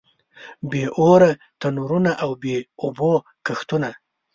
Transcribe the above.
بې اوره تنورونه او بې اوبو کښتونه.